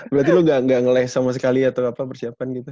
berarti lu gak ngeleh sama sekali atau apa persiapan gitu